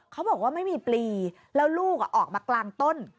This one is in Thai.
เขาบอกว่าไม่มีปลีแล้วลูกออกมากลางต้น